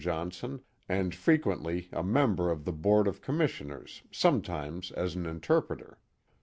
Johnson and frequently a member of the board of com missioners, sometimes as an interpreter.